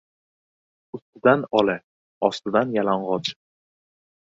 • Ustidan — ola, ostidan — yalang‘och.